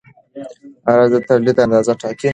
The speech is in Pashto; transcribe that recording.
عرضه د تولید اندازه ټاکي.